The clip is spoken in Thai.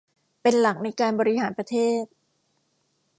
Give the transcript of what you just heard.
เป็นหลักในการบริหารประเทศ